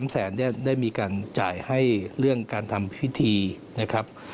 ๓แสนได้มีการจ่ายให้เรื่องการทำพิธี